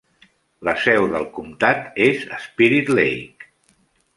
La seu del comptat és Spirit Lake.